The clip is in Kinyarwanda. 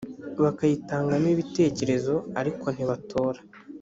bakayitangamo ibitekerezo ariko ntibatora